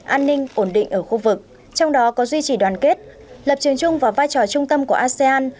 an ninh ổn định ở khu vực trong đó có duy trì đoàn kết lập trường chung và vai trò trung tâm của asean